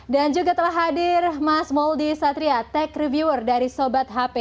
juga telah hadir mas mouldie satria tech reviewer dari sobat hp